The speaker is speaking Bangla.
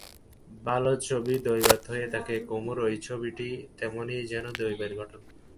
ভালো ছবি দৈবাৎ হয়ে থাকে, কুমুর ঐ ছবিটি তেমনি যেন দৈবের রচনা।